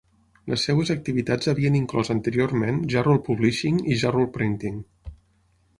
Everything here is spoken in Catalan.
Les seves activitats havien inclòs anteriorment Jarrold Publishing i Jarrold Printing.